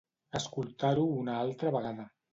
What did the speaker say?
Escoltar-ho una altra vegada.